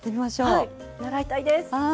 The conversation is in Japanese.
是非はい習いたいです。